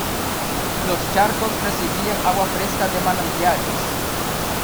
Los charcos recibían agua fresca de manantiales.